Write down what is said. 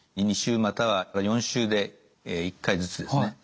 ２週または４週で１回ずつですね